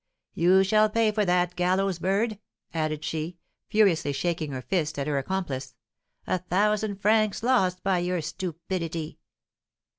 You shall pay for that, gallows bird," added she, furiously, shaking her fist at her accomplice. "A thousand francs lost by your stupidity!"